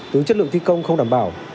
tướng chất lượng thi công không đảm bảo